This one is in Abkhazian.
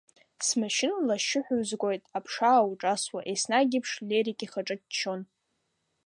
Смашьынала ашьшьыҳәа узгоит, аԥша аауҿасуа, еснагь еиԥш Лерик ихаҿы ччон.